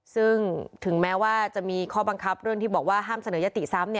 ซึ่งถึงแม้ว่าจะมีข้อบังคับเรื่องที่บอกว่าห้ามเสนอยติซ้ำ